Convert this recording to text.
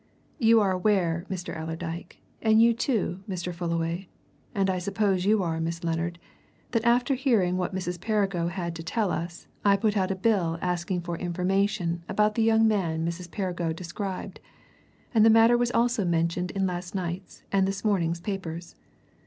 "You are aware, Mr. Allerdyke, and you, too, Mr. Fullaway, and so I suppose are you Miss Lennard, that after hearing what Mrs. Perrigo had to tell us I put out a bill asking for information about the young man Mrs. Perrigo described, and the matter was also mentioned in last night's and this morning's papers.